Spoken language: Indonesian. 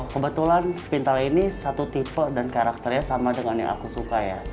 kebetulan spintal ini satu tipe dan karakternya sama dengan yang aku suka ya